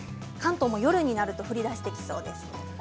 関東も夜になると降りだしてきそうです。